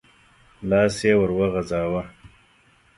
لاس يې ور وغځاوه.